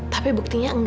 tapi bukan karena itu